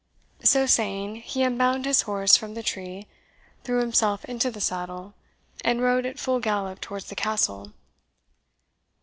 So saying, he unbound his horse from the tree, threw himself into the saddle, and rode at full gallop towards the Castle.